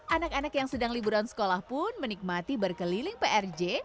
anak anak yang sedang liburan sekolah pun menikmati berkeliling prj